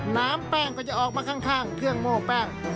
น้ำแป้งก็จะออกมาข้างเครื่องโม่แป้ง